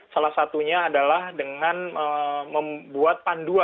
salah satunya adalah dengan membuat panduan